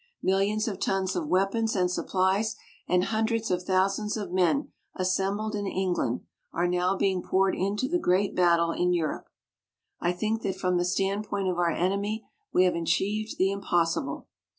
Millions of tons of weapons and supplies, and hundreds of thousands of men assembled in England, are now being poured into the great battle in Europe. I think that from the standpoint of our enemy we have achieved the impossible.